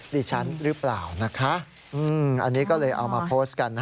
ดิฉันหรือเปล่านะคะอันนี้ก็เลยเอามาโพสต์กันนะ